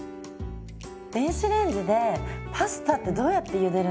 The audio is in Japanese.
電子レンジでパスタってどうやってゆでるんですか？